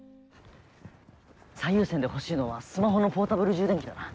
最優先で欲しいのはスマホのポータブル充電器だな。